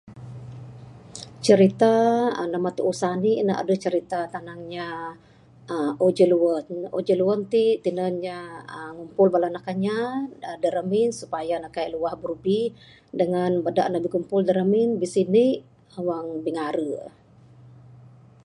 Cerita namba tuuh sanik ne deh cerita tanang inya aaa oh jeliwen. Oh jeliwen ti tinan inya ngumpol bala anak kinya dak adeh remin supaya ne kaik luah birubi dengan beda ne bigumpol dak remin bisindi wang bingare.